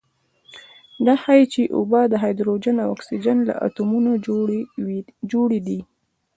دا ښيي چې اوبه د هایدروجن او اکسیجن له اتومونو جوړې دي.